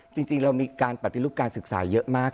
จริงเรามีการปฏิรูปการศึกษาเยอะมาก